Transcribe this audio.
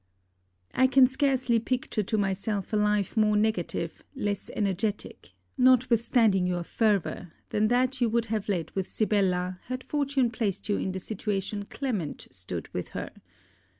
I can scarcely picture to myself a life more negative, less energetic, notwithstanding your fervor, than that you would have led with Sibella had fortune placed you in the situation Clement stood with her.